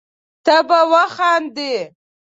ته به وخاندي